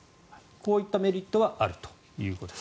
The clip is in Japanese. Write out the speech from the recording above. こういったメリットはあるということです。